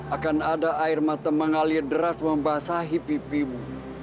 akan ada air mata mengalir deras membasahi pipimu